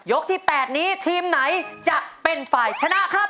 ที่๘นี้ทีมไหนจะเป็นฝ่ายชนะครับ